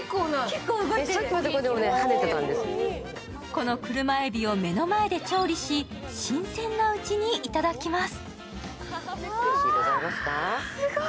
この車えびを目の前で調理し新鮮なうちにいただきます。